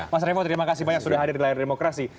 mas revo terima kasih banyak sudah hadir di layar demokrasi